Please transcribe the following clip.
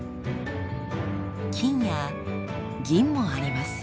金や銀もあります。